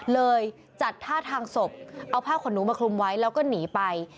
เลยจัดท่าทางศพเอาผ้าขนหนูมาคลุมไว้แล้วก็หนีไป